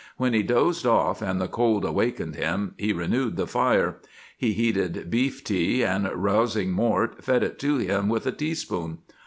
When he dozed off and the cold awakened him, he renewed the fire; he heated beef tea, and, rousing Mort, fed it to him with a teaspoon.